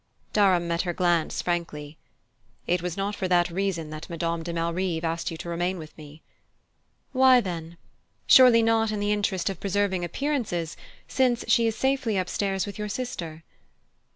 Durham met her glance frankly. "It was not for that reason that Madame de Malrive asked you to remain with me." "Why, then? Surely not in the interest of preserving appearances, since she is safely upstairs with your sister?"